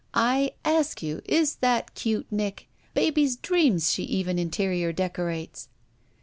I ask you, is that cute, Nick? Baby's dreams she even interior decorates."